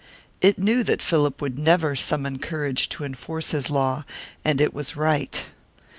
It knew that Philip would never summon courage to enforce his law and it was right.